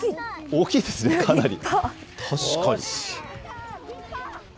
大きいですね、かなり。